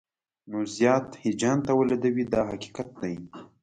نو زیات هیجان تولیدوي دا حقیقت دی.